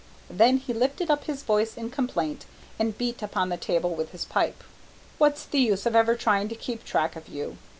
Then he lifted up his voice in complaint and beat upon the table with his pipe. "What's the use of ever trying to keep track of you?